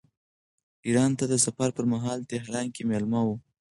ایران ته د سفر پرمهال تهران کې مېلمه و.